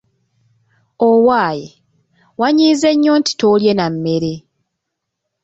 Owaaye, wanyiize nnyo nti toolye na mmere?